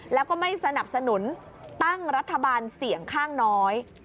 แล้วก็ไม่สนับสนุนตั้งรัฐบาลเสี่ยงข้างน้อย